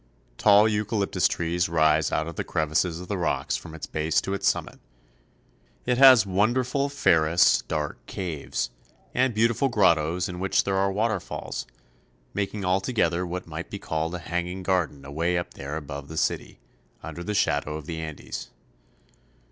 Tall eucalyptus trees rise out of the crevices of the rocks from its base to its summit. It has wonderful fersis, dark IH CHILE. caves, and beautiful grottoes in which there are waterfalls, making altogether what might be called a hanging garden away up there above the city, under the shadow of the Andes.